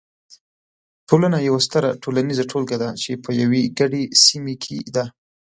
ټولنه یوه ستره ټولنیزه ټولګه ده چې په یوې ګډې سیمې کې ده.